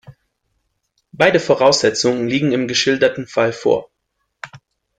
Beide Voraussetzungen liegen im geschilderten Fall vor.